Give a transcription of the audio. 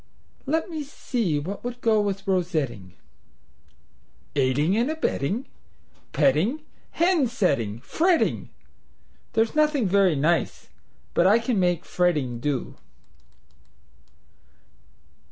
"Let me see what would go with rosetting. AIDING AND ABETTING, PETTING, HEN SETTING, FRETTING, there's nothing very nice, but I can make fretting' do.